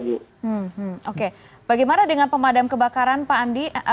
hmm oke bagaimana dengan pemadam kebakaran pak andi